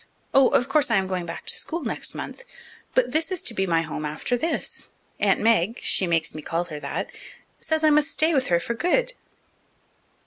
Oh, of course I am going back to school next month, but this is to be my home after this. Aunt Meg she makes me call her that says I must stay with her for good."